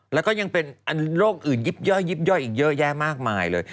แล้วก็ยังเป็นโรคอื่นยิบย่อยยิบย่อยอีกเยอะแยะมากมายเลย